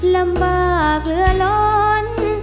ลำบากเหลือร้อน